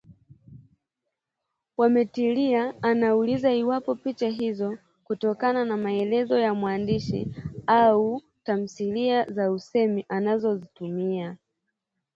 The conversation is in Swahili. Wamitila anauliza iwapo picha hizo hutokana na maelezo ya mwandishi au tamathali za usemi anazotumia?